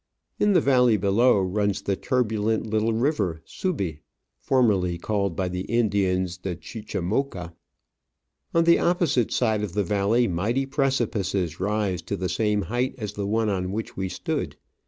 In the valley below runs the turbulent little river Subi, formerly called by the Indians the Chicamocha. On the opposite side of the valley mighty precipices rise to the same^ height as the one on which we stood.